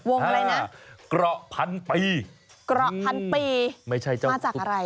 วงอะไรนะเกราะพันปีเกราะพันปีมาจากอะไร